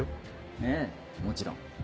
ええもちろん。